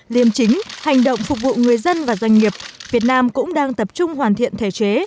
liêm chính hành động phục vụ người dân và doanh nghiệp việt nam cũng đang tập trung hoàn thiện thể chế